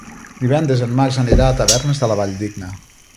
Divendres en Max anirà a Tavernes de la Valldigna.